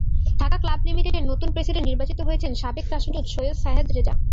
Dhaka club লিমিটেডের নতুন president নির্বাচিত হয়েছেন সাবেক রাষ্ট্রদূত সৈয়দ শাহেদ রেজা।